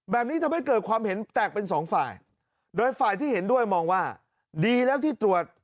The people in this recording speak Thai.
แบบนี้ทำให้เกิดความเห็นแตกเป็นสองฝ่ายโดยฝ่ายที่เห็นด้วยมองว่าดีแล้วที่ตรวจ